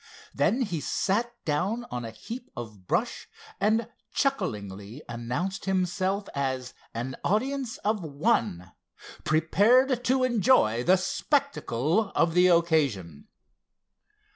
Then he sat down on a heap of brush and chucklingly announced himself as "an audience of one," prepared to enjoy the spectacle of the occasion.